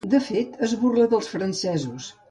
De fet, es burla dels francesos.